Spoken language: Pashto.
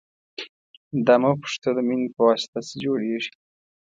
دا مه پوښته د مینې پواسطه څه جوړېږي.